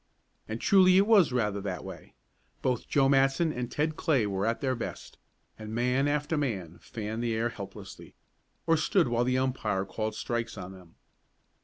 And truly it was rather that way. Both Joe Matson and Ted Clay were at their best, and man after man fanned the air helplessly, or stood while the umpire called strikes on them.